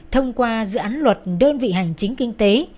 thông qua dự án luật đơn vị hành chính kinh tế